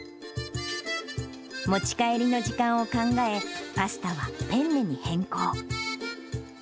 持ち帰りの時間を考え、パスタはペンネに変更。